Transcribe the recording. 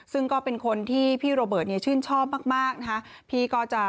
ซึ่งก็เป็นคนที่พี่โรเบิร์ตชื่นชอบมากนะคะ